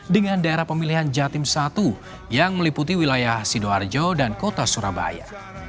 dengan daerah pemilihan jatim satu yang meliputi wilayah sidoarjo dan kota surabaya